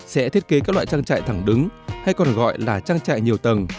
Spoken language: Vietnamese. sẽ thiết kế các loại trang trại thẳng đứng hay còn gọi là trang trại nhiều tầng